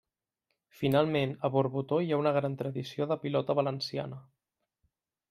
Finalment, a Borbotó hi ha una gran tradició de pilota valenciana.